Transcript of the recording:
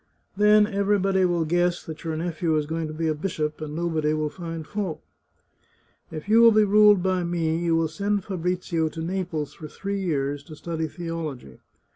Then everybody will guess that your nephew is going to be a bishop, and nobody will find fault. If you will be ruled by me, you will send Fabrizio to Naples for three years to study theology.